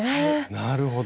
なるほど。